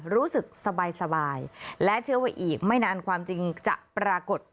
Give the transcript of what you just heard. รู้สึกสบายและเชื่อว่าอีกไม่นานความจริงจะปรากฏ